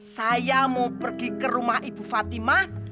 saya mau pergi ke rumah ibu fatimah